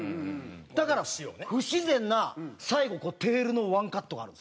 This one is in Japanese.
だから不自然な最後テールのワンカットがあるんですよ。